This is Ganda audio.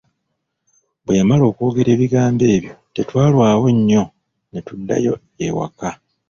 Bwe yamala okwogera ebigambo ebyo, tetwalwawo nnyo ne tuddayo ewaka.